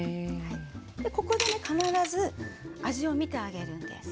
ここで必ず味を見てあげるんです。